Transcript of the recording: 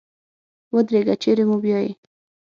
ودرېږه چېري مو بیایې ؟